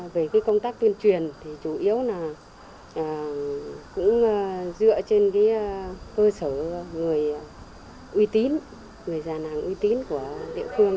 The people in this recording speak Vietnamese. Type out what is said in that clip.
về công tác tuyên truyền chủ yếu là dựa trên cơ sở người già nàng uy tín của địa phương